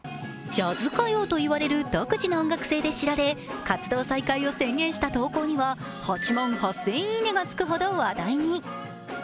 ジャズ歌謡といわれる独自の音楽性で知られ活動再開を宣言した投稿には８万８０００いいねがつくほど話題に。